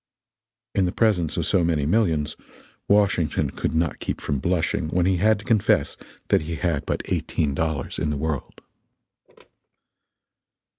In the presence of so many millions, Washington could not keep from blushing when he had to confess that he had but eighteen dollars in the world.